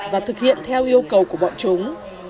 và thực hiện theo yêu cầu của bọn chúng